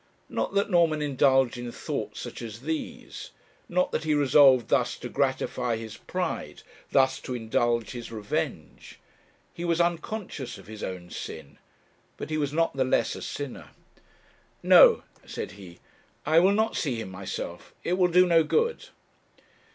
Not that Norman indulged in thoughts such as these; not that he resolved thus to gratify his pride, thus to indulge his revenge. He was unconscious of his own sin, but he was not the less a sinner. 'No,' said he, 'I will not see him myself; it will do no good.'